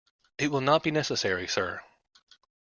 It will not be necessary, sir.